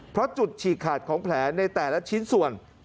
เพราะจุดฉีกขาดของแผลในแต่ละชิ้นส่วน